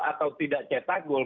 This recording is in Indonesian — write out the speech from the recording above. atau tidak cetak gol